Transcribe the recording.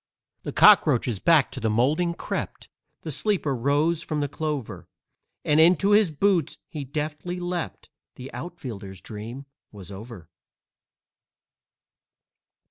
The cockroaches back to the moulding crept, The sleeper rose from the clover; And into his boots he deftly leapt The outfielder's dream was over.